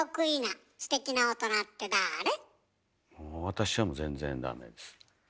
私はもう全然ダメです。